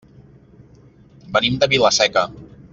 Venim de Vila-seca.